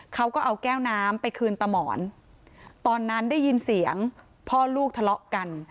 เขาก็เอาแก้วน้ำไปคืนตามหมอนตอนนั้นได้ยินเสียงพ่อลูกทะเลาะกัน